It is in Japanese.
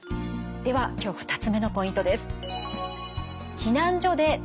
では今日２つ目のポイントです。